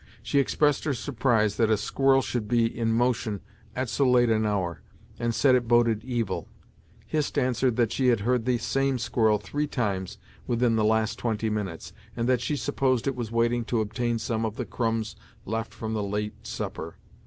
She expressed her surprise that a squirrel should be in motion at so late an hour, and said it boded evil. Hist answered that she had heard the same squirrel three times within the last twenty minutes, and that she supposed it was waiting to obtain some of the crumbs left from the late supper.